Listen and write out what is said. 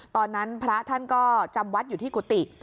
ตอนนั้นพระท่านก็จำวัดอยู่ที่กุฏิ